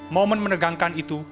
momen menegangkan itu